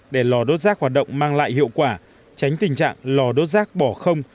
để lò đốt rác hoạt động mang lại hiệu quả tránh tình trạng lò đốt rác bỏ không